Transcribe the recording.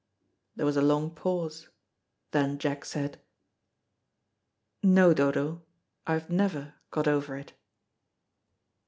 There was a long pause. Then Jack said, "No, Dodo, I have never got over it."